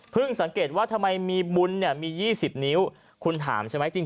เพิ่งสังเกตว่าทำไมมีบุญมี๒๐นิ้วคุณถามใช่ไหม